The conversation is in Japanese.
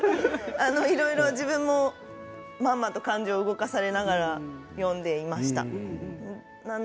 いろいろ自分もまんまと感情を突き動かされながら読んでいました。